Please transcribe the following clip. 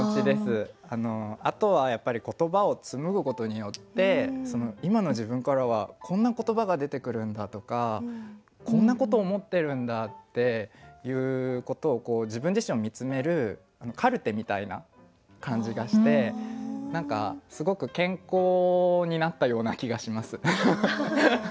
あとはやっぱり言葉を紡ぐことによって今の自分からはこんな言葉が出てくるんだとかこんなこと思ってるんだっていうことをこう自分自身を見つめるカルテみたいな感じがして何かすごく健康になったような気がします。